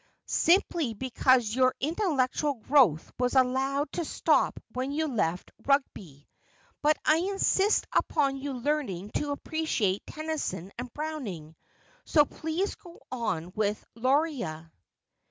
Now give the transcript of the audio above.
' Simply because your intellectual growth was allowed to stop when you left Eug'oy. But I insist upon you learning to appreciate Tennyson and Browning ; so please go on with " Luria."